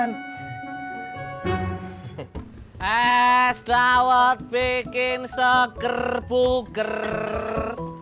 nggak ada yang ketat bikin segerbu ger